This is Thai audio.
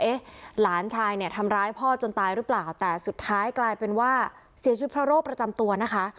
หลานชายเนี่ยทำร้ายพ่อจนตายหรือเปล่าแต่สุดท้ายกลายเป็นว่าเสียชีวิตเพราะโรคประจำตัวนะคะ